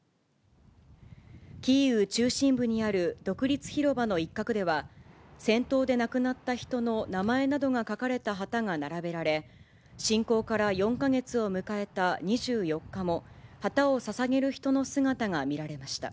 キーウ中心部にある独立広場の一角では、戦闘で亡くなった人の名前などが書かれた旗が並べられ、侵攻から４か月を迎えた２４日も、旗をささげる人の姿が見られました。